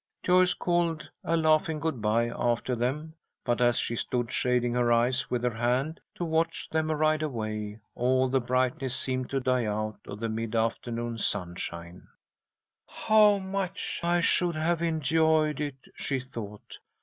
Joyce called a laughing good bye after them, but, as she stood shading her eyes with her hand to watch them ride away, all the brightness seemed to die out of the mid afternoon sunshine. "How much I should have enjoyed it!" she thought.